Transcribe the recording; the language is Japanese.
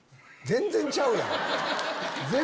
全然ちゃうやん。